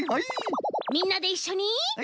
みんなでいっしょに。